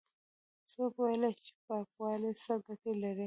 څوک ويلاى شي چې پاکوالی څه گټې لري؟